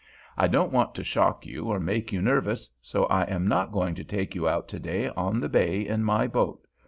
I don't want to shock you or make you nervous, so I am not going to take you out to day on the bay in my boat.